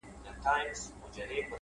• جهاني ما خو قاصد ور استولی ,